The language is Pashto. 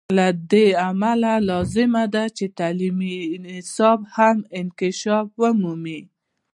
له دې امله لازمه ده چې تعلیمي نصاب هم انکشاف ومومي.